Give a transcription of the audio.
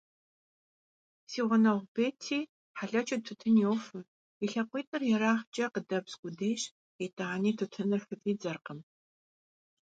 Си гъунэгъу Бетти хьэлэчыу тутун йофэ, и лъакъуитӏыр ерагъкӏэ къыдэбз къудейщ, итӏани тутыныр хыфӏидзэркъым.